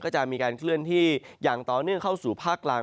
ก็จะมีการเคลื่อนที่อย่างต่อเนื่องเข้าสู่ภาคกลาง